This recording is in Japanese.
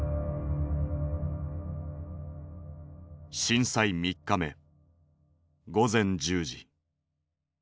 震災３日目午前１０時。